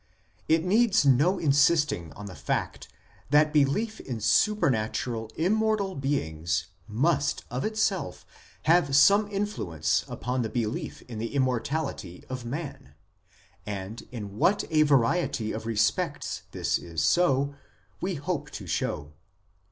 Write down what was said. It needs no insisting on the fact that belief in supernatural immortal beings must of itself have some influence upon the belief in the immortality of man ; and in what a variety of respects this is so we hope to show.